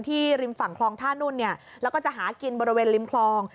ริมฝั่งคลองท่านุ่นแล้วก็จะหากินบริเวณริมคลอง